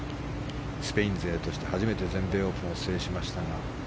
スペイン勢として初めて全米オープンを制しましたが。